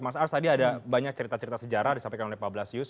mas ars tadi ada banyak cerita cerita sejarah disampaikan oleh pak blasius